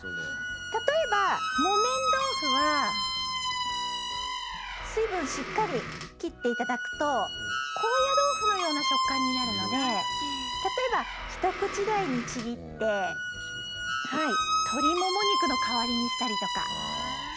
例えば木綿豆腐は水分しっかり切っていただくと高野豆腐のような食感になるので例えばひと口大にちぎって鶏もも肉の代わりにしたりとか。